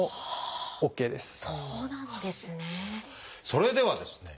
それではですね